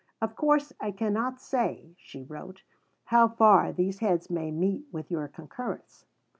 "Of course I cannot say," she wrote, "how far these heads may meet with your concurrence."